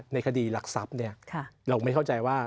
ในคดีหลักทรัพย์เราไม่เข้าใจว่า